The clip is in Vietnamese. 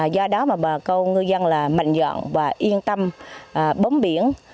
do đó mà bà công ngư dân là mạnh dọn và yên tâm bóng biển